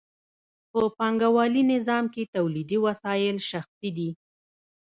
په پانګوالي نظام کې تولیدي وسایل شخصي دي